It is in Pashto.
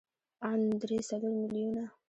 ان درې څلور ميليونه.